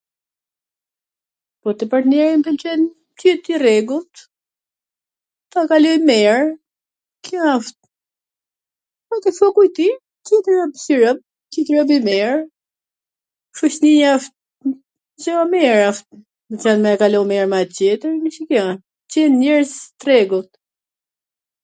Po te partneri m pwlqen t jet i rregullt, ta kaloj mir, kjo asht ... ke shoku i tij , t jet rob i mir, .... gja e mir asht me kalu mir me at tjetrin ... t jen njerz t rregullt